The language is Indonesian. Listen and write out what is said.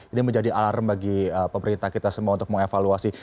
ini menjadi alarm bagi pemerintah kita semua untuk mengevaluasi